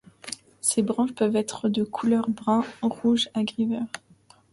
Ses branches peuvent être de couleur brun-rouge à gris-vert.